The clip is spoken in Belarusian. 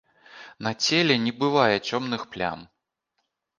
На целе не бывае цёмных плям.